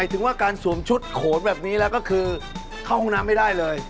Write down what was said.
ถึงว่าการสวมชุดโขนแบบนี้แล้วก็คือเข้าห้องน้ำไม่ได้เลย